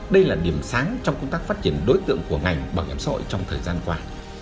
đây là điểm sáng trong công tác phát triển đối tượng của ngành bảo hiểm xã hội trong thời gian qua